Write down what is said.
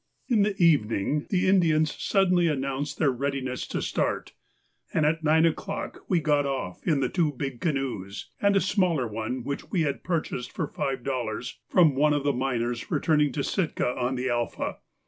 In the evening the Indians suddenly announced their readiness to start, and at nine o'clock we got off in the two big canoes, and a smaller one which we had purchased for five dollars from one of the miners returning to Sitka on the 'Alpha.